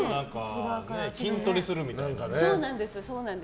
筋トレするみたいなね。